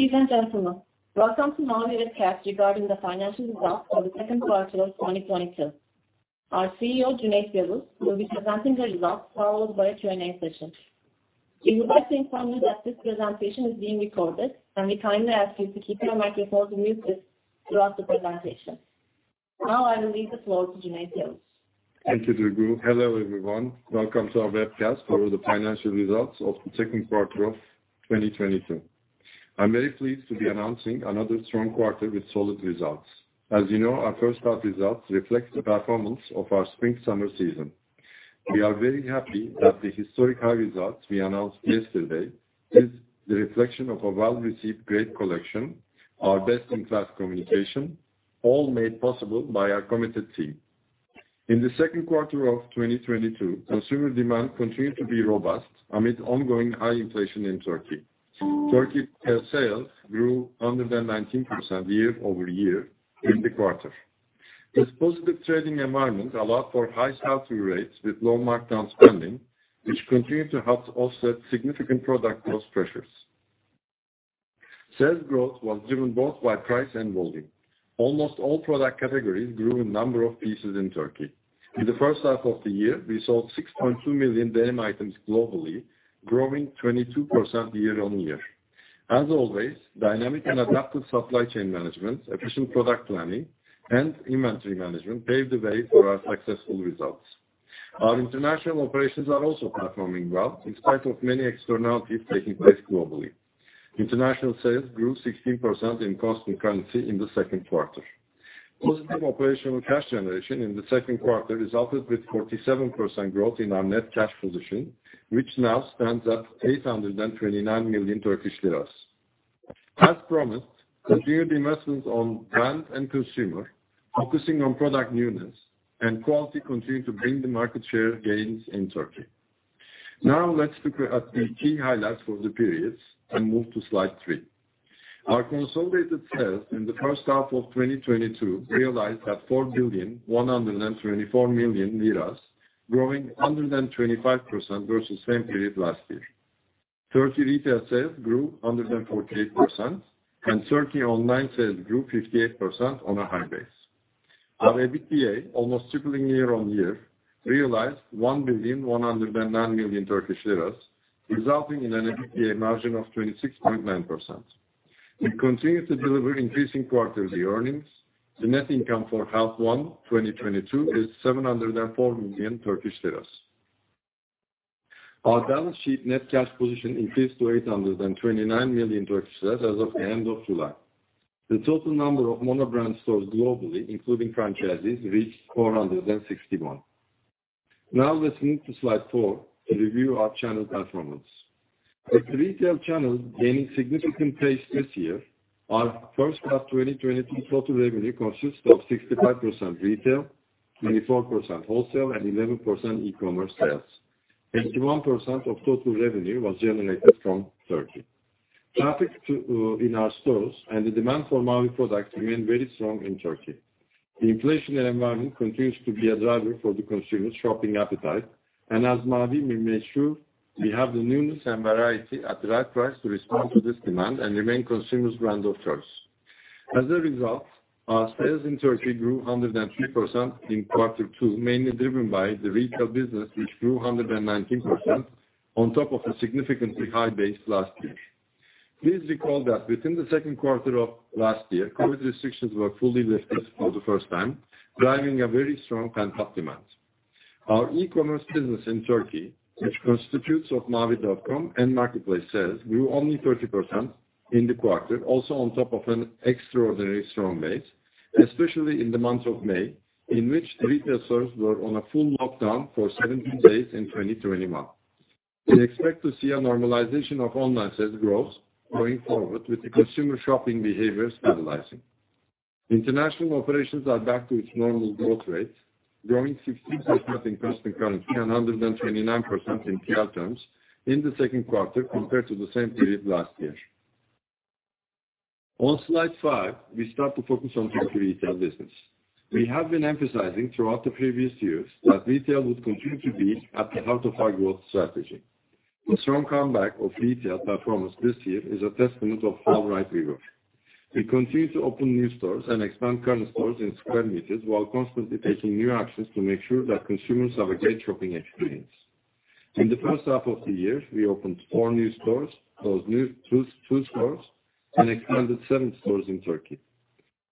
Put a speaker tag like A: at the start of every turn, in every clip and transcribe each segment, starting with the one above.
A: Ladies and gentlemen, welcome to Mavi webcast regarding the financial results for the second quarter of 2022. Our CEO, Cüneyt Yavuz, will be presenting the results followed by Q&A session. We would like to inform you that this presentation is being recorded, and we kindly ask you to keep your microphones muted throughout the presentation. Now I will leave the floor to Cüneyt Yavuz.
B: Thank you Duygu. Hello, everyone. Welcome to our webcast for the financial results of the second quarter of 2022. I'm very pleased to be announcing another strong quarter with solid results. As you know, our first half results reflect the performance of our spring/summer season. We are very happy that the historic high results we announced yesterday is the reflection of a well-received great collection, our best-in-class communication, all made possible by our committed team. In the second quarter of 2022, consumer demand continued to be robust amid ongoing high inflation in Turkey. Turkey sales grew 119% year-over-year in the quarter. This positive trading environment allowed for high sell-through rates with low markdown spending, which continued to help to offset significant product cost pressures. Sales growth was driven both by price and volume. Almost all product categories grew in number of pieces in Turkey. In the first half of the year, we sold 6.2 million denim items globally, growing 22% year-over-year. As always, dynamic and adaptive supply chain management, efficient product planning, and inventory management paved the way for our successful results. Our international operations are also performing well in spite of many externalities taking place globally. International sales grew 16% in constant currency in the second quarter. Positive operational cash generation in the second quarter resulted with 47% growth in our net cash position, which now stands at 829 million Turkish lira. As promised, continued investments on brand and consumer, focusing on product newness, and quality continued to bring the market share gains in Turkey. Now let's look at the key highlights for the periods and move to slide three. Our consolidated sales in the first half of 2022 realized at 4,124 million lira, growing 125% versus same period last year. Turkey retail sales grew 148%, and Turkey online sales grew 58% on a high base. Our EBITDA, almost tripling year-on-year, realized 1,109 million Turkish lira, resulting in an EBITDA margin of 26.9%. We continue to deliver increasing quarterly earnings. The net income for half one 2022 is 704 million Turkish lira. Our balance sheet net cash position increased to 829 million Turkish lira as of the end of July. The total number of monobrand stores globally, including franchises, reached 461. Now, let's move to slide four to review our channel performance. With retail channel gaining significant pace this year, our first half 2022 total revenue consists of 65% retail, 24% wholesale, and 11% e-commerce sales. 81% of total revenue was generated from Turkey. Traffic to, in our stores and the demand for Mavi products remained very strong in Turkey. The inflationary environment continues to be a driver for the consumer shopping appetite, and as Mavi, we made sure we have the newness and variety at the right price to respond to this demand and remain consumers' brand of choice. As a result, our sales in Turkey grew 103% in quarter two, mainly driven by the retail business, which grew 119% on top of a significantly high base last year. Please recall that within the second quarter of last year, COVID restrictions were fully lifted for the first time, driving a very strong pent-up demand. Our e-commerce business in Turkey, which constitutes of mavi.com and marketplace sales, grew only 30% in the quarter, also on top of an extraordinary strong base, especially in the month of May, in which retailers were on a full lockdown for 17 days in 2021. We expect to see a normalization of online sales growth going forward with the consumer shopping behavior stabilizing. International operations are back to its normal growth rate, growing 16% in constant currency and 129% in TL terms in the second quarter compared to the same period last year. On slide five, we start to focus on Turkey retail business. We have been emphasizing throughout the previous years that retail would continue to be at the heart of our growth strategy. The strong comeback of retail performance this year is a testament of how right we were. We continue to open new stores and expand current stores in square meters while constantly taking new actions to make sure that consumers have a great shopping experience. In the first half of the year, we opened four new stores, closed two stores, and expanded seven stores in Turkey.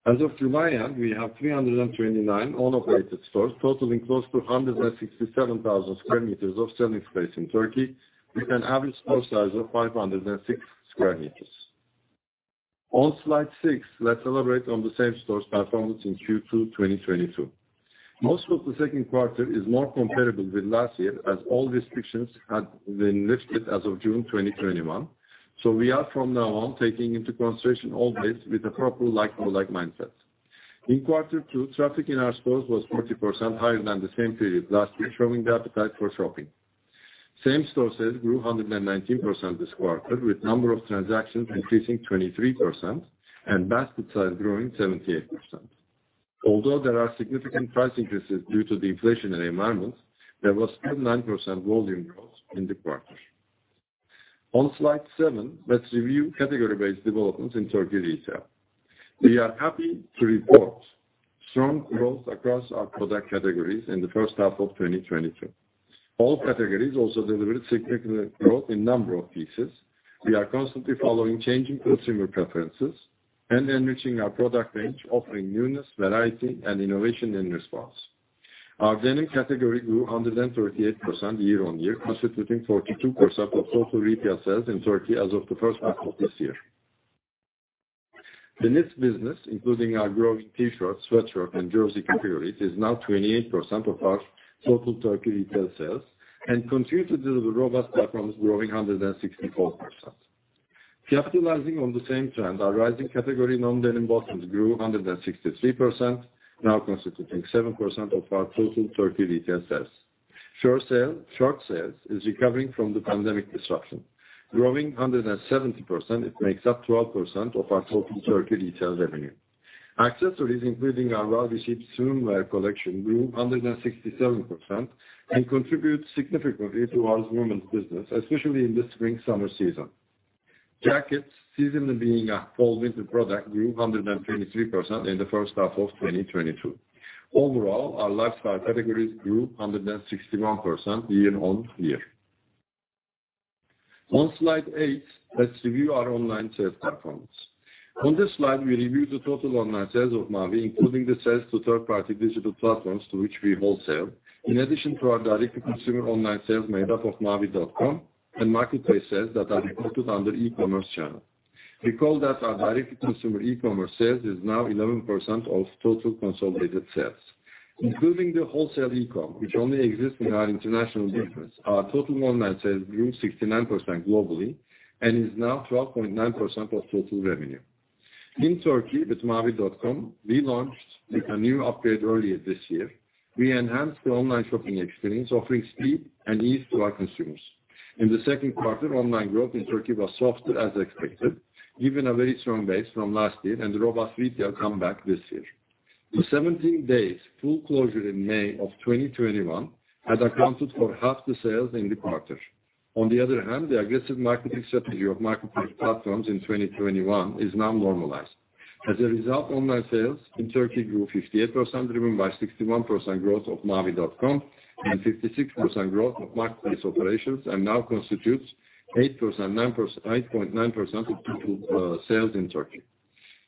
B: As of July end, we have 329 owner-operated stores, totaling close to 167,000 square meters of selling space in Turkey, with an average store size of 506 sq m. On Slide six, let's elaborate on the same-store performance in Q2 2022. Most of the second quarter is more comparable with last year as all restrictions had been lifted as of June 2021. We are from now on taking into consideration all this with a proper like-for-like mindset. In quarter two, traffic in our stores was 40% higher than the same period last year, showing the appetite for shopping. Same-store sales grew 119% this quarter, with number of transactions increasing 23% and basket size growing 78%. Although there are significant price increases due to the inflationary environment, there was 89% volume growth in the quarter. On slide seven, let's review category-based developments in Turkey retail. We are happy to report strong growth across our product categories in the first half of 2022. All categories also delivered significant growth in number of pieces. We are constantly following changing consumer preferences and enriching our product range, offering newness, variety, and innovation in response. Our denim category grew 138% year-on-year, constituting 42% of total retail sales in Turkey as of the first half of this year. The knit business, including our growing T-shirts, sweatshirt and jersey categories, is now 28% of our total Turkey retail sales and continue to deliver robust performance growing 164%. Capitalizing on the same trend, our rising category, non-denim bottoms grew 163%, now constituting 7% of our total Turkey retail sales. Shirts sales is recovering from the pandemic disruption. Growing 170%, it makes up 12% of our total Turkey retail revenue. Accessories including our well received swim wear collection grew 167% and contributes significantly to our women's business, especially in the spring, summer season. Jackets, seasonally being a fall winter product, grew 123% in the first half of 2022. Overall, our lifestyle categories grew 161% year-on-year. On slide eight, let's review our online sales performance. On this slide, we review the total online sales of Mavi, including the sales to third party digital platforms to which we wholesale. In addition to our direct to consumer online sales made up of mavi.com and marketplace sales that are reported under e-commerce channel. We call that our direct to consumer e-commerce sales is now 11% of total consolidated sales. Including the wholesale e-com, which only exists in our international business, our total online sales grew 69% globally and is now 12.9% of total revenue. In Turkey, with mavi.com, we launched with a new upgrade earlier this year. We enhanced the online shopping experience, offering speed and ease to our consumers. In the second quarter, online growth in Turkey was softer as expected, given a very strong base from last year and robust retail comeback this year. The 17 days full closure in May of 2021 had accounted for half the sales in the quarter. On the other hand, the aggressive marketing strategy of marketplace platforms in 2021 is now normalized. As a result, online sales in Turkey grew 58%, driven by 61% growth of mavi.com and 56% growth of marketplace operations, and now constitutes 8.9% of total sales in Turkey.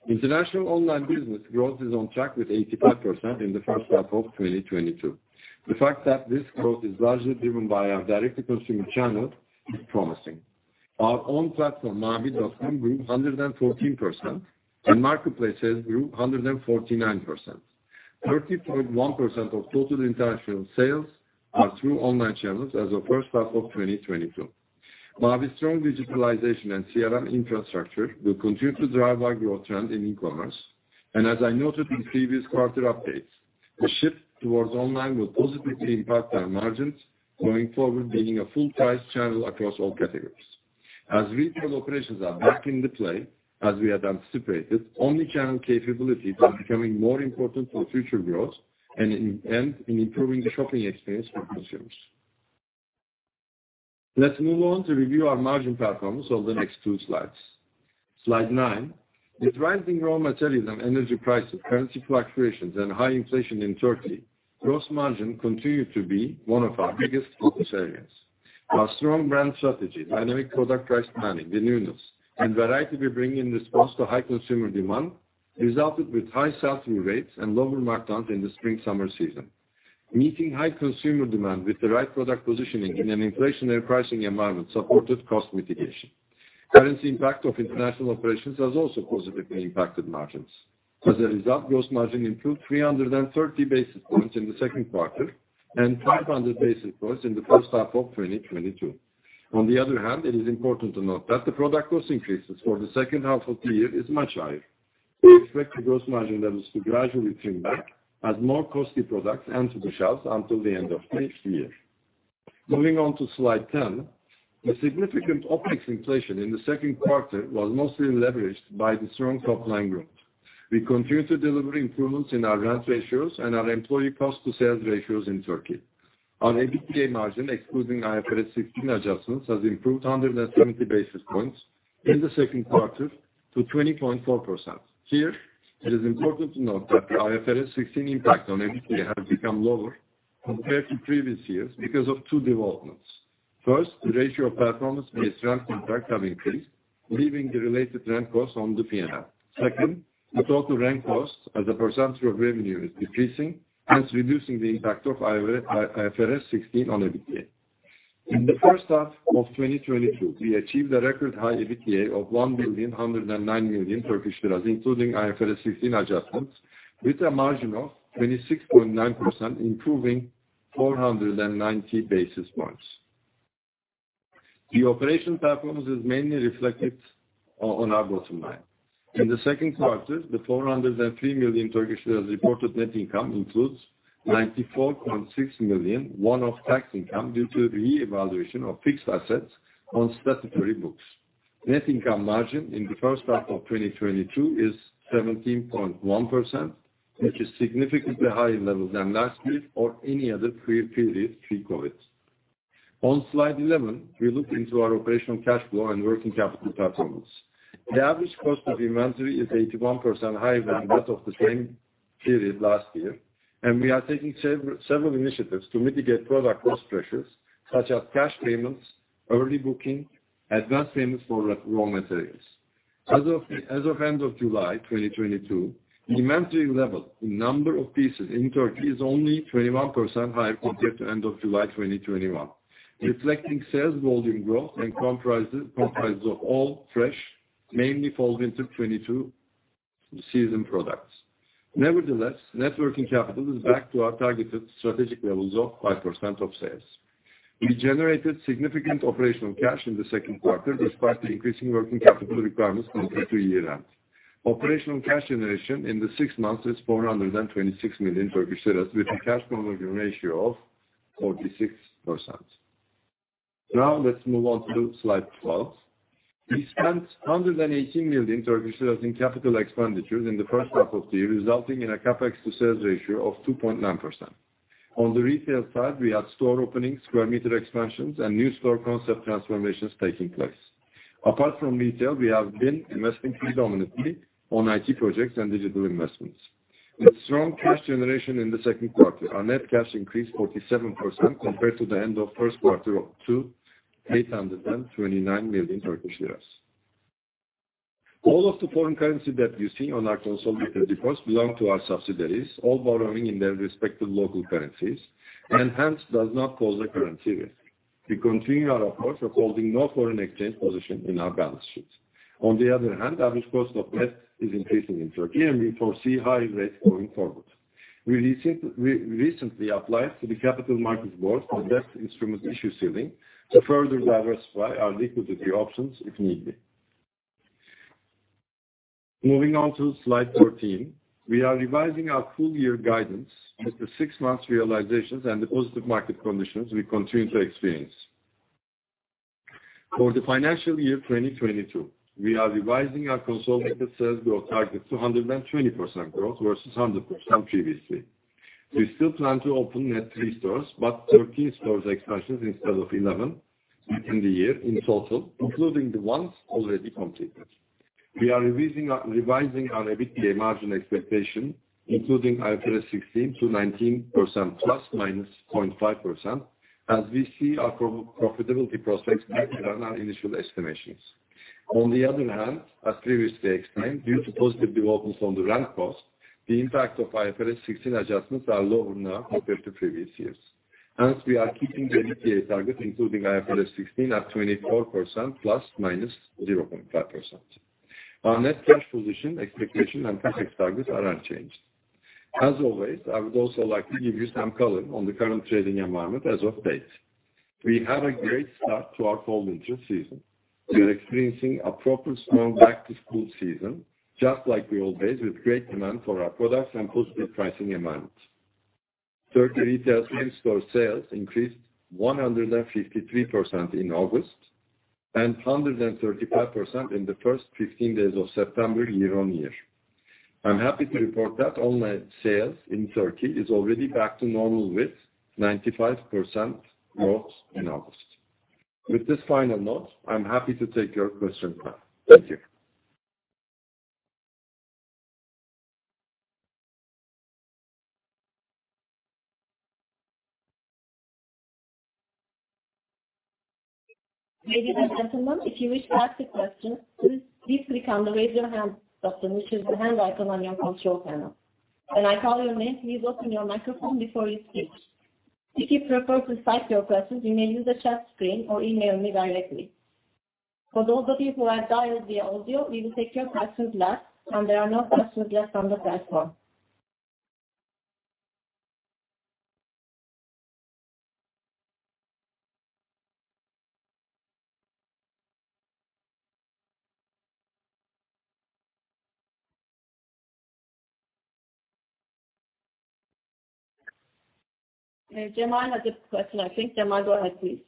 B: International online business growth is on track with 85% in the first half of 2022. The fact that this growth is largely driven by our direct to consumer channel is promising. Our own platform, mavi.com, grew 114%, and marketplace sales grew 149%. 30.1% of total international sales are through online channels as of first half of 2022. Mavi's strong digitalization and CRM infrastructure will continue to drive our growth trend in e-commerce. As I noted in previous quarter updates, the shift towards online will positively impact our margins going forward, being a full price channel across all categories. As retail operations are back in the play as we had anticipated, omni-channel capabilities are becoming more important for future growth and in improving the shopping experience for consumers. Let's move on to review our margin performance over the next two slides. Slide nine. With rising raw materials and energy prices, currency fluctuations and high inflation in Turkey, gross margin continued to be one of our biggest focus areas. Our strong brand strategy, dynamic product price planning, the newness, and variety we bring in response to high consumer demand resulted with high selling rates and lower markdowns in the spring, summer season. Meeting high consumer demand with the right product positioning in an inflationary pricing environment supported cost mitigation. Currency impact of international operations has also positively impacted margins. As a result, gross margin improved 330 basis points in the second quarter and 500 basis points in the first half of 2022. On the other hand, it is important to note that the product cost increases for the second half of the year is much higher. We expect the gross margin levels to gradually trim back as more costly products enter the shelves until the end of next year. Moving on to slide 10. The significant OpEx inflation in the second quarter was mostly leveraged by the strong top line growth. We continue to deliver improvements in our rent ratios and our employee cost to sales ratios in Turkey. Our EBITDA margin, excluding IFRS 16 adjustments, has improved 170 basis points in the second quarter to 20.4%. It is important to note that the IFRS 16 impact on EBITDA has become lower compared to previous years because of two developments: First, the ratio of platform-based rent contracts has increased, leaving the related rent costs on the P&L. Second, the total rent cost as a percentage of revenue is decreasing, hence reducing the impact of IFRS 16 on EBITDA. In the first half of 2022, we achieved a record high EBITDA of TRY 1,109 million, including IFRS 16 adjustments, with a margin of 26.9%, improving 490 basis points. The operation performance is mainly reflected on our bottom line. In the second quarter, the 403 million reported net income includes 94.6 million one-off tax income due to reevaluation of fixed assets on statutory books. Net income margin in the first half of 2022 is 17.1%, which is significantly higher level than last year or any other pre-period pre-COVID. On slide 11, we look into our operational cash flow and working capital performance. The average cost of inventory is 81% higher than that of the same period last year, and we are taking several initiatives to mitigate product cost pressures, such as cash payments, early booking, advanced payments for raw materials. As of end of July 2022, inventory level in number of pieces in Turkey is only 21% higher compared to end of July 2021. Reflecting sales volume growth and comprises of all fresh, mainly fall/winter 2022 season products. Nevertheless, net working capital is back to our targeted strategic levels of 5% of sales. We generated significant operational cash in the second quarter despite the increasing working capital requirements compared to year end. Operational cash generation in the six months is 426 million, with a cash conversion ratio of 46%. Now let's move on to slide 12. We spent 118 million in capital expenditures in the first half of the year, resulting in a CapEx to sales ratio of 2.9%. On the retail side, we had store openings, square meter expansions, and new store concept transformations taking place. Apart from retail, we have been investing predominantly on IT projects and digital investments. With strong cash generation in the second quarter, our net cash increased 47% compared to the end of first quarter of 829 million Turkish lira. All of the foreign currency that you see on our consolidated reports belong to our subsidiaries, all borrowing in their respective local currencies, and hence does not cause a currency risk. We continue our approach of holding no foreign exchange position in our balance sheet. On the other hand, average cost of debt is increasing in Turkey, and we foresee high rates going forward. We recently applied to the Capital Markets Board for debt instrument issue ceiling to further diversify our liquidity options if needed. Moving on to slide 13. We are revising our full year guidance after six months realizations and the positive market conditions we continue to experience. For the financial year 2022, we are revising our consolidated sales growth target to 120% growth versus 100% previously. We still plan to open net three stores, but 13 stores expansions instead of 11 within the year in total, including the ones already completed. We are revising our EBITDA margin expectation, including IFRS 16 to 19% ± 0.5%, as we see our profitability prospects better than our initial estimations. On the other hand, as previously explained, due to positive developments on the rent cost, the impact of IFRS 16 adjustments are lower now compared to previous years. Hence, we are keeping the EBITDA target, including IFRS 16 at 24% ± 0.5%. Our net cash position expectation and CapEx targets are unchanged. As always, I would also like to give you some color on the current trading environment as of today. We have a great start to our fall winter season. We are experiencing a proper strong back to school season, just like the old days, with great demand for our products and positive pricing environment. Turkey retail same-store sales increased 153% in August and 135% in the first 15 days of September year-on-year. I'm happy to report that online sales in Turkey is already back to normal with 95% growth in August. With this final note, I'm happy to take your questions now. Thank you.
A: Ladies and gentlemen, if you wish to ask a question, please click on the Raise Your Hand button, which is the hand icon on your control panel. When I call your name, please open your microphone before you speak. If you prefer to type your questions, you may use the chat screen or email me directly. For those of you who have dialed via audio, we will take your questions last, and there are no questions left on the platform. Cemal has a question, I think. Cemal, go ahead, please.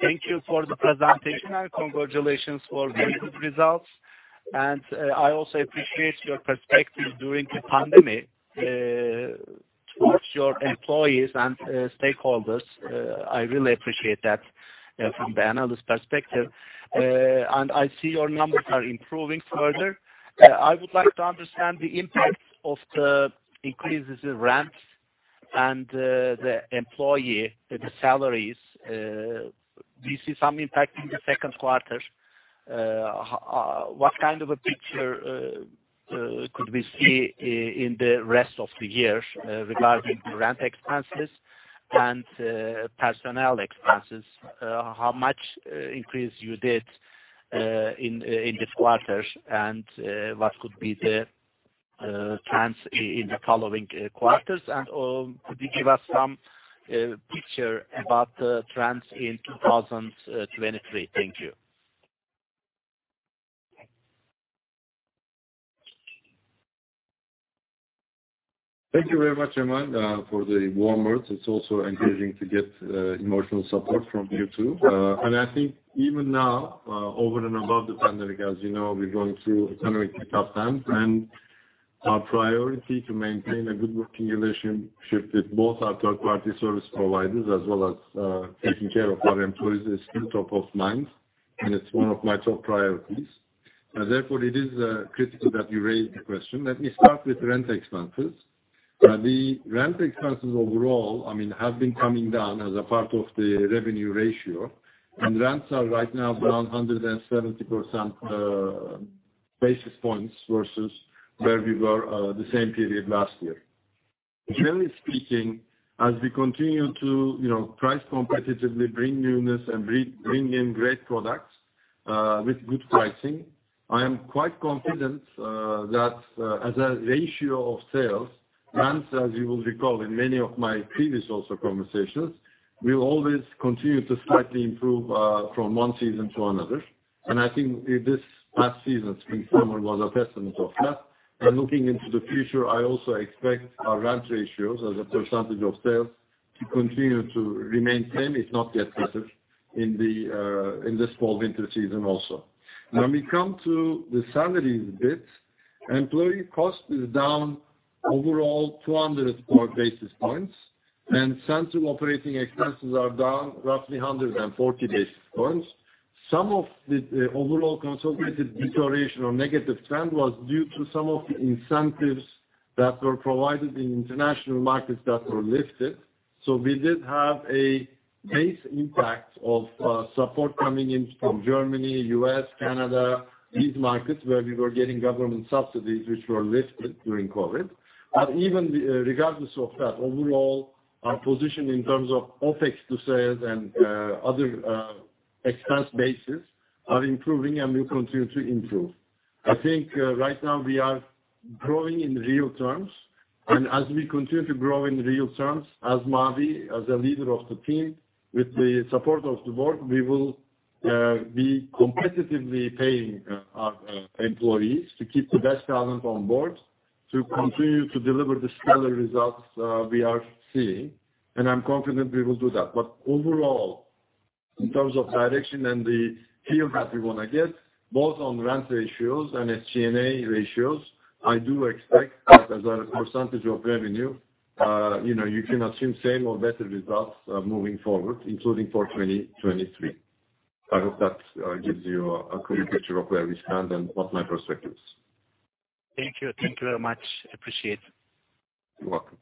C: Thank you for the presentation and congratulations for the good results. I also appreciate your perspective during the pandemic towards your employees and stakeholders. I really appreciate that from the analyst perspective. I see your numbers are improving further. I would like to understand the impact of the increases in rents and the employee salaries. Do you see some impact in the second quarter? What kind of a picture could we see in the rest of the year regarding rent expenses and personnel expenses? How much increase you did in this quarter? What could be the trends in the following quarters? Could you give us some picture about the trends in 2023? Thank you.
B: Thank you very much Cemal, for the warm words. It's also encouraging to get, emotional support from you too. I think even now, over and above the pandemic, as you know, we're going through economically tough times, and our priority to maintain a good working relationship with both our third party service providers, as well as, taking care of our employees is still top of mind, and it's one of my top priorities. Therefore, it is critical that you raise the question. Let me start with rent expenses. The rent expenses overall, I mean, have been coming down as a part of the revenue ratio. Rents are right now down 170 basis points versus where we were, the same period last year. Generally speaking, as we continue to, you know, price competitively, bring newness and re-bring in great products with good pricing, I am quite confident that, as a ratio of sales, rents, as you will recall in many of my previous also conversations, will always continue to slightly improve from one season to another. I think this past season, spring summer was a testament of that. Looking into the future, I also expect our rent ratios as a percentage of sales to continue to remain same, if not get better in this fall winter season also. When we come to the salaries bit, employee cost is down overall 200 odd basis points, and central operating expenses are down roughly 140 basis points. Some of the overall consolidated deterioration or negative trend was due to some of the incentives that were provided in international markets that were lifted. We did have a base impact of support coming in from Germany, U.S., Canada, these markets where we were getting government subsidies which were lifted during COVID. Even regardless of that, overall, our position in terms of OpEx to sales and other expense bases are improving and will continue to improve. I think right now we are growing in real terms. As we continue to grow in real terms, as Mavi, as a leader of the team, with the support of the board, we will be competitively paying our employees to keep the best talent on board to continue to deliver the stellar results we are seeing. I'm confident we will do that. Overall, in terms of direction and the feel that we wanna get, both on rent ratios and SG&A ratios, I do expect that as a percentage of revenue, you know, you can assume same or better results moving forward, including for 2023. I hope that gives you a clear picture of where we stand and what my perspective is.
C: Thank you. Thank you very much. Appreciate it.
B: You're welcome.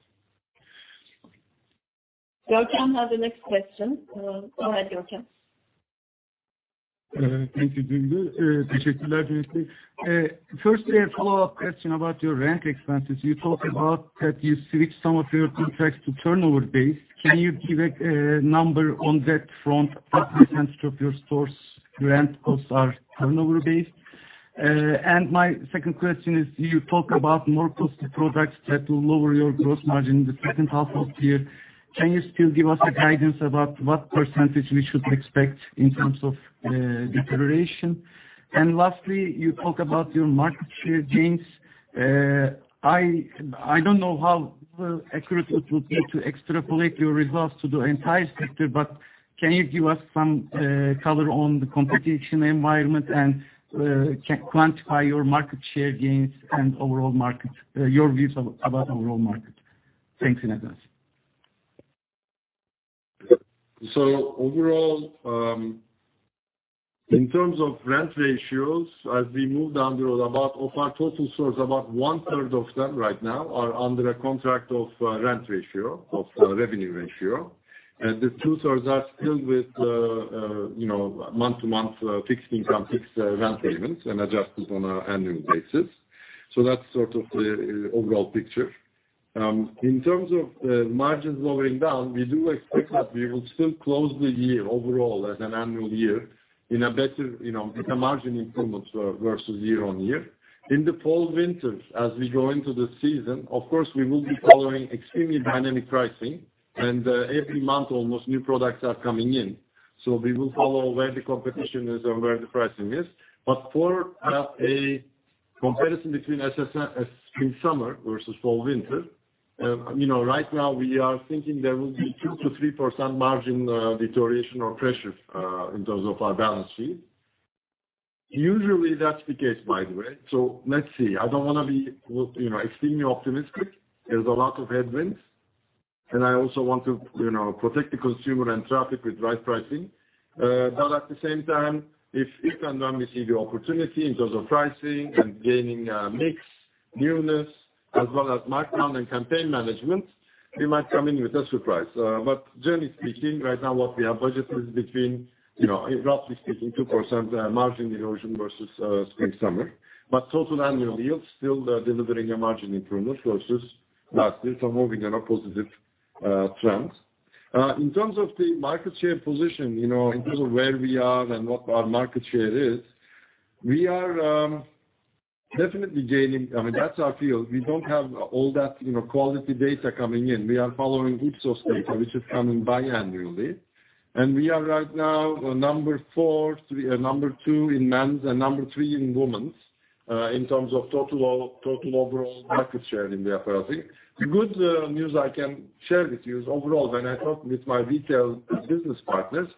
A: Görkem has the next question. Go ahead, Görkem.
D: Thank you Duygu. Firstly, a follow-up question about your rent expenses. You talked about that you switched some of your contracts to turnover-based. Can you give a number on that front, what percentage of your stores' rent costs are turnover-based? My second question is, you talk about more costly products that will lower your gross margin in the second half of the year. Can you still give us guidance about what percentage we should expect in terms of deterioration? Lastly, you talk about your market share gains. I don't know how accurate it will be to extrapolate your results to the entire sector, but can you give us some color on the competitive environment and quantify your market share gains and your views about overall market? Thanks in advance.
B: Overall, in terms of rent ratios, as we move down the road, of our total stores, about 1/3 of them right now are under a contract of rent ratio of revenue ratio. Two-thirds of the stores are still with, you know, month to month, fixed rent payments and adjusted on an annual basis. That's sort of the overall picture. In terms of margins lowering down, we do expect that we will still close the year overall as an annual year in a better, you know, with a margin improvement versus year-on-year. In the fall winters as we go into the season, of course, we will be following extremely dynamic pricing. Every month, almost new products are coming in. We will follow where the competition is and where the pricing is. For a comparison between spring summer versus fall winter, you know, right now we are thinking there will be 2%-3% margin deterioration or pressure in terms of our balance sheet. Usually that's the case, by the way. Let's see. I don't wanna be, you know, extremely optimistic. There's a lot of headwinds, and I also want to, you know, protect the consumer and traffic with right pricing. At the same time, if and when we see the opportunity in terms of pricing and gaining mix, newness, as well as markdown and campaign management, we might come in with a surprise. Generally speaking, right now what we have budgeted between, you know, roughly speaking, 2% margin erosion versus spring summer. Total annual yields still delivering a margin improvement versus last year. Moving in a positive trend. In terms of the market share position, you know, in terms of where we are and what our market share is, we are definitely gaining. I mean, that's our feel. We don't have all that, you know, quality data coming in. We are following Ipsos data, which is coming biannually. We are right now number two in men's and number three in women's, in terms of total overall market share in the apparel thing. The good news I can share with you is overall, when I talk with my retail business partners,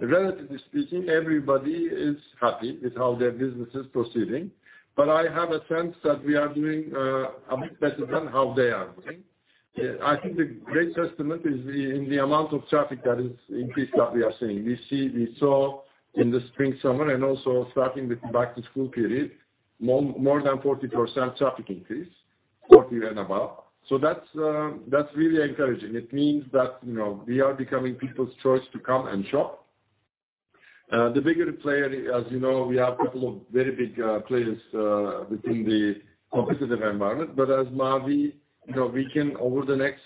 B: relatively speaking, everybody is happy with how their business is proceeding. I have a sense that we are doing a bit better than how they are doing. I think the great testament is the increase in the amount of traffic that we are seeing. We saw in the spring, summer, and also starting with back-to-school period, more than 40% traffic increase, 40% and above. That's really encouraging. It means that, you know, we are becoming people's choice to come and shop. The bigger player, as you know, we have couple of very big players within the competitive environment. As Mavi, you know, we can over the next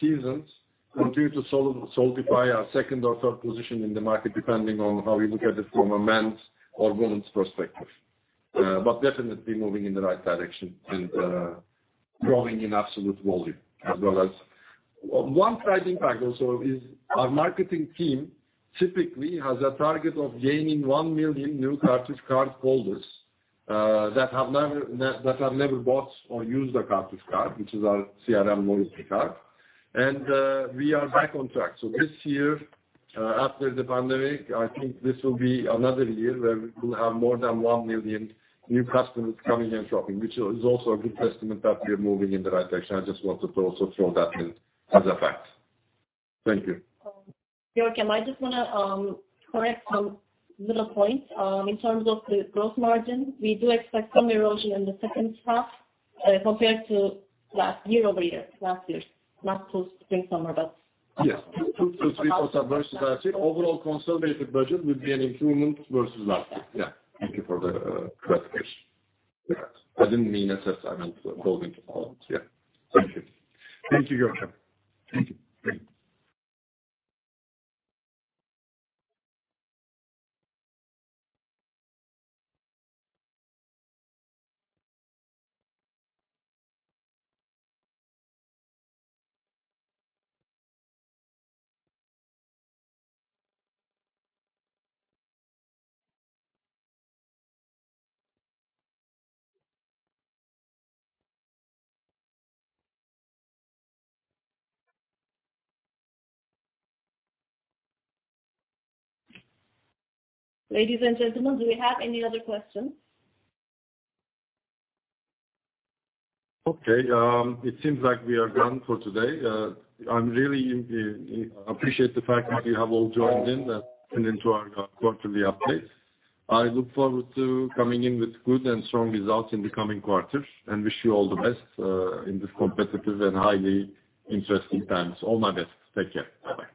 B: seasons continue to solidify our second or third position in the market, depending on how we look at it from a men's or women's perspective. But definitely moving in the right direction and growing in absolute volume as well as. One surprising fact also is our marketing team typically has a target of gaining 1 million new Kartus card holders that have never bought or used a Kartus card, which is our CRM loyalty card. We are back on track. This year, after the pandemic, I think this will be another year where we will have more than one million new customers coming and shopping, which is also a good testament that we are moving in the right direction. I just wanted to also throw that in as a fact. Thank you.
A: Görkem, I just wanna correct one little point. In terms of the gross margin, we do expect some erosion in the second half compared to last year-over-year, not to spring, summer, but versus last year.
B: Yes, 2%-3%. Overall consolidated budget will be an improvement versus last year. Yeah.
D: Thank you for the clarification. I didn't mean necessarily to go into all of it. Yeah. Thank you.
B: Thank you Görkem.
D: Thank you. Thank you.
A: Ladies and gentlemen, do we have any other questions?
B: Okay. It seems like we are done for today. I really appreciate the fact that you have all joined in, tuned into our quarterly update. I look forward to coming in with good and strong results in the coming quarters, and wish you all the best in this competitive and highly interesting times. All my best. Take care. Bye-bye.